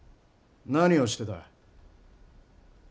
何をしてた？